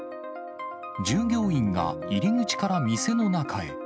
従業員が入り口から店の中へ。